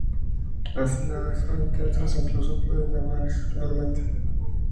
Las heladas son intensas, incluso puede nevar excepcionalmente.